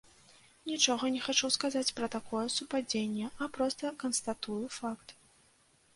Нічога не хачу сказаць пра такое супадзенне, а проста канстатую факт.